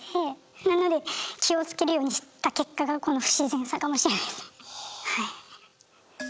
なので気をつけるようにした結果がこの不自然さかもしれないですねはい。